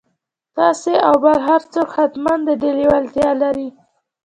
تاسې او بل هر څوک حتماً د دې لېوالتيا لرئ.